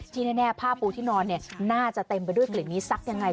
แน่ผ้าปูที่นอนเนี่ยน่าจะเต็มไปด้วยกลิ่นนี้ซักยังไง